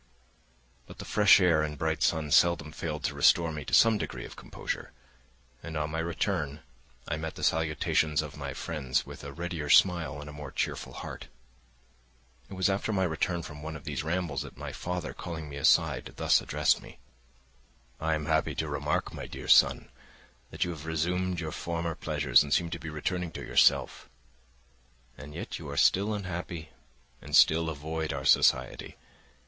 But the fresh air and bright sun seldom failed to restore me to some degree of composure, and on my return I met the salutations of my friends with a readier smile and a more cheerful heart. It was after my return from one of these rambles that my father, calling me aside, thus addressed me, "I am happy to remark, my dear son, that you have resumed your former pleasures and seem to be returning to yourself. And yet you are still unhappy and still avoid our society.